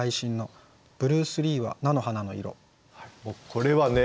これはね